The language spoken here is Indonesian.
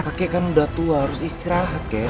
kakek kan sudah tua harus istirahat kakek